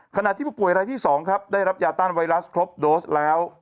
ขณะที่ผู้ป่วยรายที่๒ครับได้รับยาต้านไวรัสครบโดสแล้ว